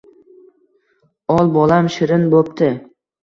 Ol, bolam, shirin bo‘pti.